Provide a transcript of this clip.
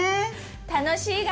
楽しいが。